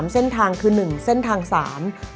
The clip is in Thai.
เส้นทางคือ๑เส้นทาง๓